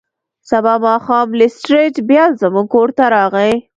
سبا ماښام لیسټرډ بیا زموږ کور ته راغی.